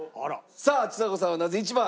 さあちさ子さんはなぜ１番？